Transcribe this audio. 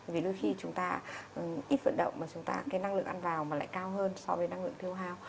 vì lúc khi chúng ta ít vận động mà chúng ta cái năng lượng ăn vào mà lại cao hơn so với năng lượng thiêu hao